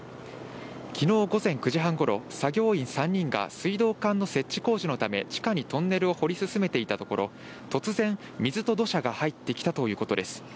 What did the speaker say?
昨日午前９時半頃、作業員３人が水道管の設置工事のため、地下にトンネルを掘り進めていたところ、突然、水と土砂が入ってきたということです。